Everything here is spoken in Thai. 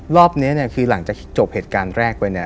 รอบนี้คือหลังจากจบเหตุการณ์แรกไป